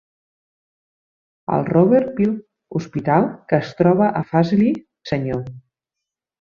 El Robert Peel Hospital, que es troba a Fazeley, senyor.